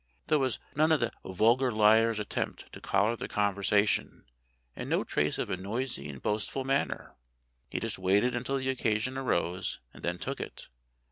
There was none of the vulgar liar's attempt to collar the conversation, and no trace of a noisy and boastful manner. He just waited until the occasion arose and then took it.